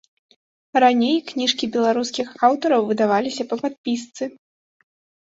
Раней кніжкі беларускіх аўтараў выдаваліся па падпісцы.